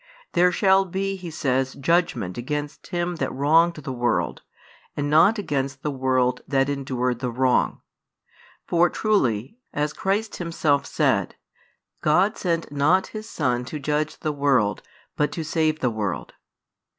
There shall be, He says, judgment against him that wronged the world, and not against the world that endured the wrong. For truly, as Christ Himself said: God sent not His Son to judge the world, but to save the world.